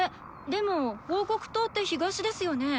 でも報告筒って東ですよね。